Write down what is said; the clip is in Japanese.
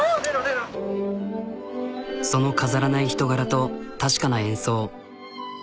その飾らない人柄と確かな演奏。